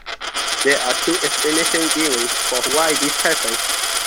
There are two explanations given for why this happened.